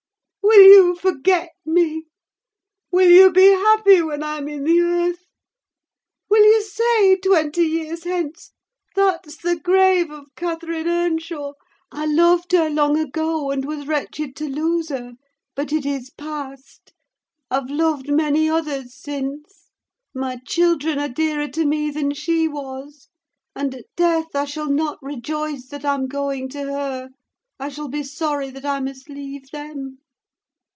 Will you forget me? Will you be happy when I am in the earth? Will you say twenty years hence, 'That's the grave of Catherine Earnshaw? I loved her long ago, and was wretched to lose her; but it is past. I've loved many others since: my children are dearer to me than she was; and, at death, I shall not rejoice that I am going to her: I shall be sorry that I must leave them!